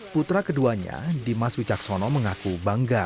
putra keduanya dimas wicaksono mengaku bangga